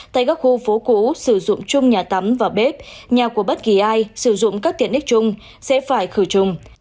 tại các khu phố cũ sử dụng chung nhà tắm và bếp nhà của bất kỳ ai sử dụng các tiện ích chung sẽ phải khử trùng